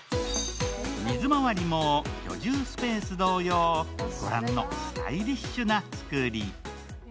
水回りも居住スペース同様、御覧のスタイリッシュな造り。